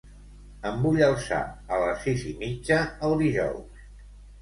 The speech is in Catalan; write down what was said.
Em vull alçar a les sis i mitja el dijous.